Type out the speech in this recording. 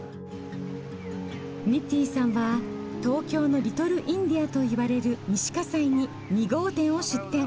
ニッティンさんは東京のリトルインディアといわれる西西に２号店を出店。